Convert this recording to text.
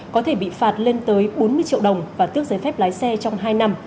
có thể bị phạt lên tới bốn mươi triệu đồng và tước giấy phép lái xe trong hai năm